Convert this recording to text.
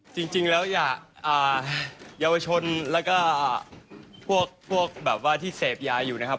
จริงแล้วเยาวชนแล้วก็พวกแบบว่าที่เสพยาอยู่นะครับ